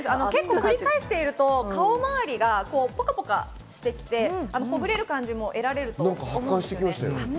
繰り返していると顔周りがポカポカしてきて、ほぐれる感じも得られると思います。